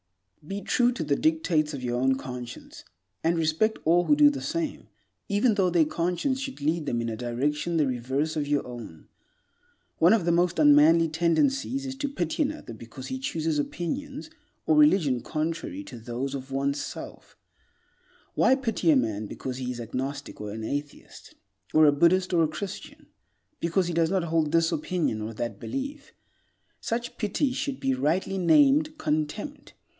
Be true to the dictates of your own conscience, and respect all who do the same, even though their conscience should lead them in a direction the reverse of your own. One of the most unmanly tendencies is to pity another because he chooses opinions or religion contrary to those of one's self. Why pity a man because he is an agnostic, or an atheist, or a Buddhist, or a Christian? Because he does not hold this opinion or that belief? Such pity should be rightly named contempt.